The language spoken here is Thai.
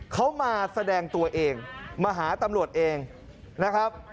เขามาแสดงตัวเองมาหาตำรวจเองนะครับ